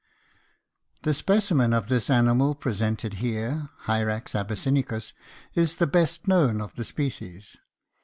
The specimen of this animal presented here (Hyrax abyssinicus) is the best known of the species.